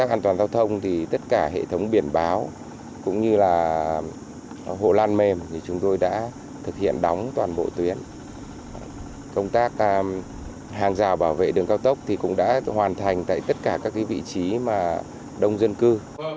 công an hàng rào bảo vệ đường cao tốc cũng đã hoàn thành tại tất cả các vị trí đông dân cư